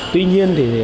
tuy nhiên thì